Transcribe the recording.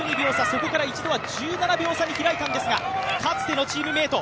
そこから一度は１７秒差に開いたんですが、かつてのチームメートＪＰ